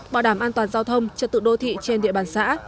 bảo đảm an toàn giao thông trật tự đô thị trên địa bàn xã